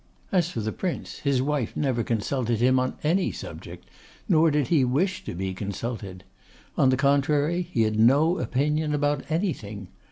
As for the Prince, his wife never consulted him on any subject, nor did he wish to be consulted. On the contrary, he had no opinion about anything.